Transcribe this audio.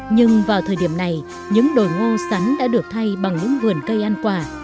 nhưng vào thời điểm này những đồi ngô sắn đã được thay bằng những vườn cây ăn quả